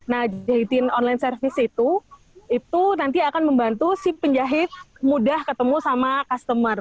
nah jahitin online service itu itu nanti akan membantu si penjahit mudah ketemu sama customer